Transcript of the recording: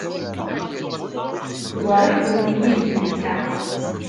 Ẓriɣ-kent yid-s netta.